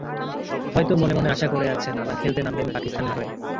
হয়তো মনে মনে আশা করে আছেন, আবার খেলতে নামবেন পাকিস্তানের হয়ে।